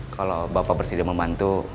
kalau bapak bersedia membantu